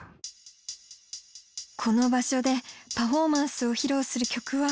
この場所でパフォーマンスを披露する曲は。